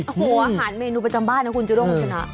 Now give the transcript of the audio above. อาหารเมนูประจำบ้านนะคุณจุดมนต์ชนะ